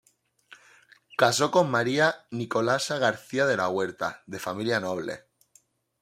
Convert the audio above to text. Casó con María Nicolasa García de la Huerta, de familia noble.